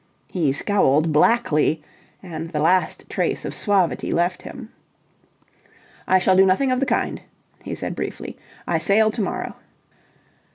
He scowled blackly, and the last trace of suavity left him. "I shall do nothing of the kind," he said briefly. "I sail to morrow."